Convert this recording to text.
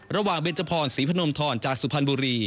ระหว่างเบนเจพรสีพนมทรจากสุพรรณบุรี